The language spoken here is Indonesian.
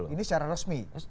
ini secara resmi